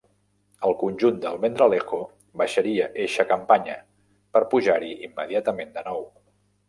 El conjunt d'Almendralejo baixaria eixa campanya, per pujar-hi immediatament de nou.